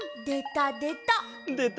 でたでた！